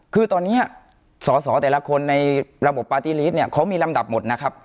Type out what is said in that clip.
คือตอนนี้สอสอแต่ละคนในระบบปาร์ตี้ลีสเนี่ยเขามีลำดับหมดนะครับ